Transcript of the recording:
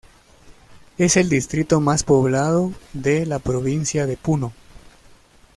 Es el distrito más poblado de la Provincia de Puno.